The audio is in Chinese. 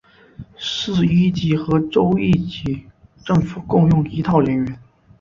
市一级和州一级政府共用一套人员。